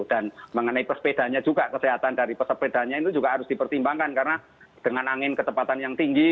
dan mengenai perspedanya juga kesehatan dari perspedanya itu juga harus dipertimbangkan karena dengan angin ketepatan yang tinggi